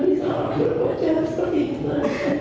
bisa orang berbuat jelas seperti itu